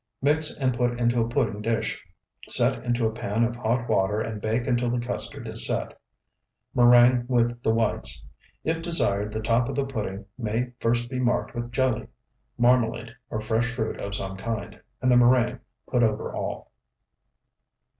Mix and put into a pudding dish. Set into a pan of hot water and bake until the custard is set. Meringue with the whites. If desired, the top of the pudding may first be marked with jelly, marmalade, or fresh fruit of some kind, and the meringue put over all.